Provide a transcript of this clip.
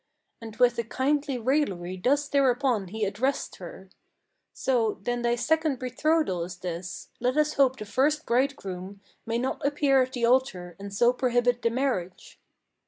And with a kindly raillery thus thereupon he addressed her: "So, then thy second betrothal is this? let us hope the first bridegroom May not appear at the altar, and so prohibit the marriage."